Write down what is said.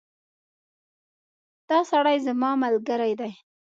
دا سړی زما ملګری دی